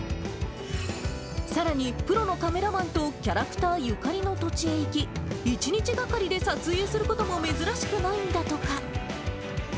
さらにプロのカメラマンとキャラクターゆかりの土地へ行き、一日がかりで撮影することも珍しくないんだとか。